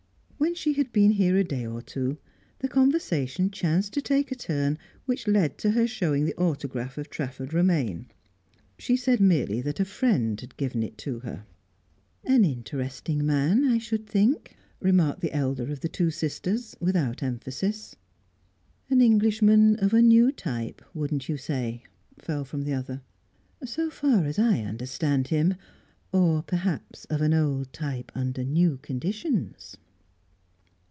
When she had been here a day or two, the conversation chanced to take a turn which led to her showing the autograph of Trafford Romaine; she said merely that a friend had given it to her. "An interesting man, I should think," remarked the elder of the two sisters, without emphasis. "An Englishman of a new type, wouldn't you say?" fell from the other. "So far as I understand him. Or perhaps of an old type under new conditions."